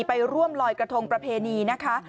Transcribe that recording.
ไปร่วมลอยกระทงประเพณีนะคะ